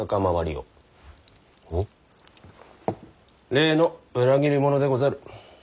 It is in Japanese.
例の裏切り者でござる。